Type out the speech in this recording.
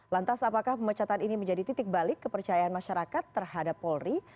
lantas apakah pemecatan ini menjadi titik balik kepercayaan masyarakat terhadap polri